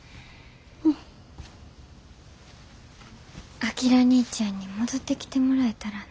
章にいちゃんに戻ってきてもらえたらな。